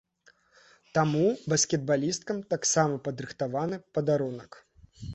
Таму баскетбалісткам таксама падрыхтаваны падарунак.